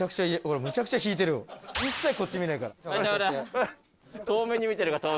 一切こっち見ないから。